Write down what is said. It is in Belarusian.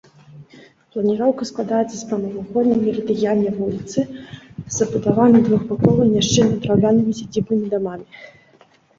Планіроўка складаецца з прамавугольнай мерыдыянальнай вуліцы, забудаванай двухбакова, няшчыльна драўлянымі сядзібнымі дамамі.